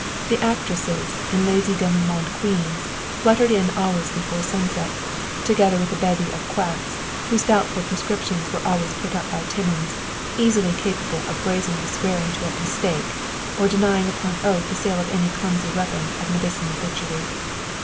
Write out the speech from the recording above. The actresses and lazy demi monde queens fluttered in always before sunset, together with a bevy of quacks, whose doubtful prescriptions were always put up by Timmins, easily capable of brazenly swearing to "a mistake," or denying upon oath the sale of any clumsy weapon of medical butchery.